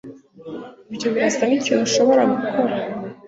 Ibyo birasa nkikintu ushobora gukora?